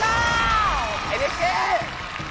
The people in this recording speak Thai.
ไอ้เด็กเก่ง